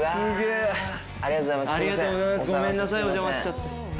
ごめんなさいお邪魔しちゃって。